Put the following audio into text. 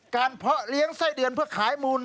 เพาะเลี้ยงไส้เดือนเพื่อขายมูล